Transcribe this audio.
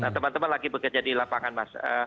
teman teman lagi bekerja di lapangan mas